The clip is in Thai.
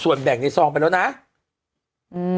โบห์หยิบเงินในซองตนมองเป็นเรื่องส่วนตัวที่เราได้ขอไป